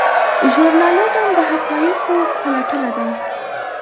ژورنالیزم د حقایقو پلټنه ده